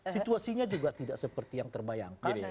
situasinya juga tidak seperti yang terbayangkan